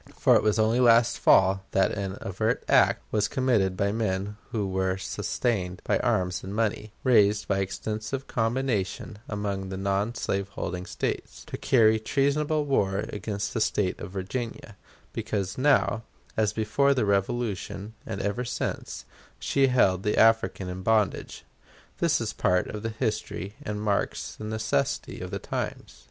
For it was only last fall that an overt act was committed by men who were sustained by arms and money, raised by extensive combination among the non slaveholding States, to carry treasonable war against the State of Virginia, because now, as before the Revolution, and ever since, she held the African in bondage. This is part of the history and marks the necessity of the times.